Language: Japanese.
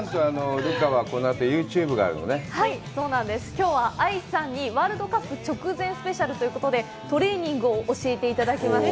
きょうは愛さんにワールドカップ直前スペシャルということで、トレーニングを教えていただきます。